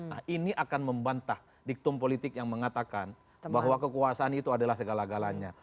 nah ini akan membantah diktum politik yang mengatakan bahwa kekuasaan itu adalah segala galanya